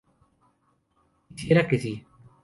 Quisiera que sí.